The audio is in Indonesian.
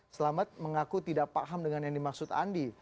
selamat mengaku tidak paham dengan yang dimaksud andi